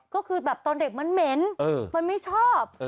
ก็คือแบบตอนเด็กมันเหม็นมันไม่ชอบ